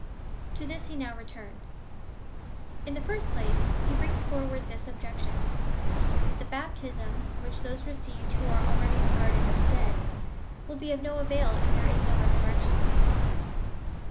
To this he now returns. In the first place he brings forward this objection — that the bap tism which those received who are already regarded as dead, wull be of no avail if there is no resurrection.